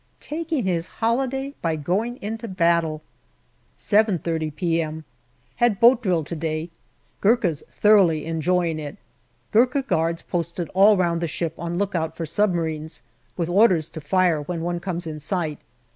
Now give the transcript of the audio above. Taking his holiday by going into battle. 7.30 p.m. Had boat drill to day. Gurkhas thoroughly enjoying it. Gurkha guards posted all round the ship on lookout for submarines, with orders to fire when one comes in sight.